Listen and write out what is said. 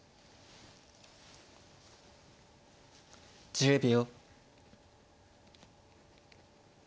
１０秒。